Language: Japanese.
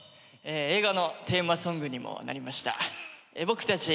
映画のテーマソングにもなりました。